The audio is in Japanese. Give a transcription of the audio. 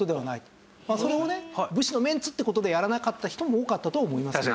そのね武士のメンツって事でやらなかった人も多かったとは思いますけど。